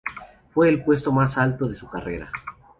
Fue el puesto más alto de su carrera.